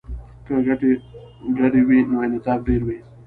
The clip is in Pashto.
که ګټې ګډې وي نو انعطاف ډیر وي